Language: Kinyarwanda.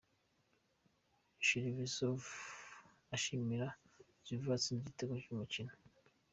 Cherchesov ashimira Dzyuba watsinze igitego mu mukino .